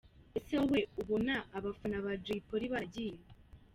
Ese wowe ubona abafana ba Jay Polly baragiye he ?.